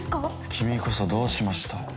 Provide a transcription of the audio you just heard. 君こそどうしました？